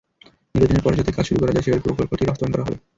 নির্বাচনের পরে যাতে কাজ শুরু করা যায় সেভাবে প্রকল্পটি বাস্তবায়ন করা হবে।